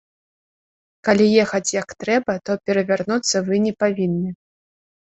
Калі ехаць як трэба, то перавярнуцца вы не павінны.